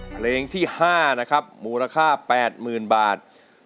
เพลงที่๕นะครับมูลค่า๘๐๐๐บาท